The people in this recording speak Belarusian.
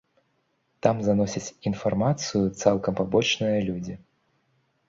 Там заносяць інфармацыю цалкам пабочныя людзі.